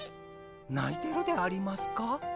ないてるでありますか？